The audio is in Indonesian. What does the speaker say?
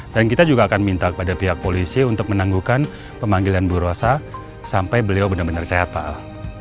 dan kita juga akan minta kepada pihak polisi untuk menanggungkan pemanggilan bu rosa sampai beliau benar benar sehat pak al